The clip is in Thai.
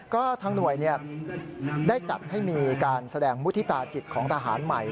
ก็ทางหน่วยได้จัดให้มีการแสดงมุฒิตาจิตของทหารใหม่